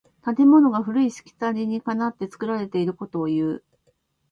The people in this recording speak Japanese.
建物が古いしきたりにかなって作られていることをいう。